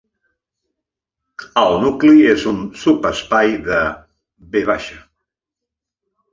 El nucli és un subespai de "V".